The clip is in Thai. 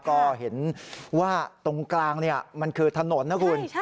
ก็เห็นว่าตรงกลางมันคือถนนนะคุณ